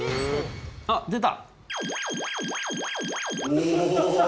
あっ出た。